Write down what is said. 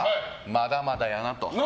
まだまだやなと。